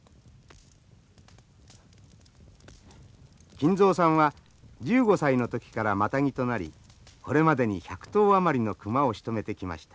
金蔵さんは１５歳の時からマタギとなりこれまでに１００頭余りの熊をしとめてきました。